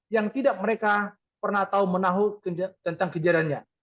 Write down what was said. yang tidak mereka pernah tahu menahu tentang kejarannya